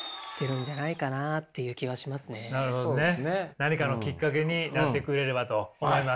何かのきっかけになってくれればと思います。